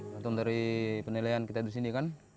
langsung dari penilaian kita di sini kan